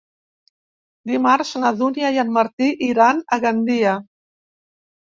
Dimarts na Dúnia i en Martí iran a Gandia.